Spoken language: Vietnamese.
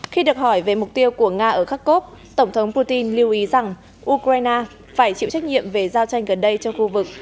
khi được hỏi về mục tiêu của nga ở kharkov tổng thống putin lưu ý rằng ukraine phải chịu trách nhiệm về giao tranh gần đây cho khu vực